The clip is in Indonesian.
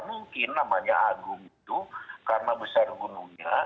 mungkin namanya agung itu karena besar gunungnya